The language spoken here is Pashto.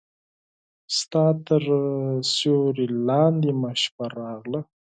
ستا تر سیوري لاندې مې شپه راغله